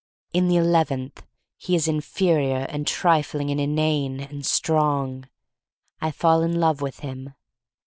In the eleventh he is inferior and trifling and inane — and strong. I fall in love with him.